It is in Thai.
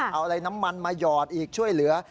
เอาอะไรน้ำมันมาหยอดอีกช่วยเหลือ